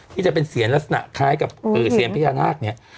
ที่จะเป็นเสียงลักษณะคล้ายกับเซียนพญานาคเนี่ย